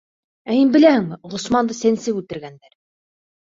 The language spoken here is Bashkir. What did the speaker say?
Ә һин беләһеңме, Ғосманды сәнсеп үлтергәндәр!